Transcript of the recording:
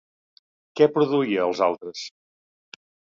Què produïa als altres?